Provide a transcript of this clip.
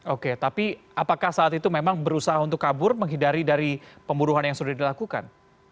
oke tapi apakah saat itu memang berusaha untuk kabur menghindari dari pembunuhan yang sudah dilakukan